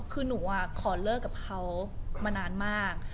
คือหนูขอเลิกกับเขามานานมาก